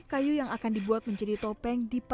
kayu yang akan dibuat menjadi topeng